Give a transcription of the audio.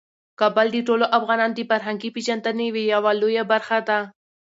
کابل د ټولو افغانانو د فرهنګي پیژندنې یوه لویه برخه ده.